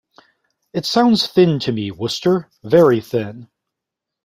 It sounds thin to me, Wooster, very thin.